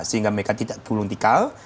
sehingga mereka tidak berlutikal